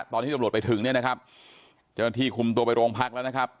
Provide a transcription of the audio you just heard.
ตอนที่ตำรวจไปถึงเนี่ยนะครับเจ้าหน้าที่คุมตัวไปโรงพักแล้วนะครับ